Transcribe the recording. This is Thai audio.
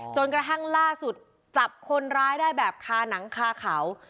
จนกระทั่งล่าสุดจับคนร้ายได้แบบคาหนังคาเขา